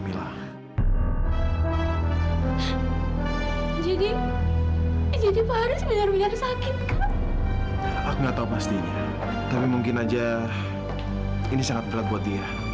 mila jadi jadi faris benar benar sakit aku nggak tahu pastinya tapi mungkin aja ini sangat berat